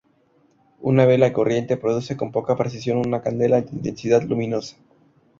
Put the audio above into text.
Una vela corriente produce con poca precisión una candela de intensidad luminosa.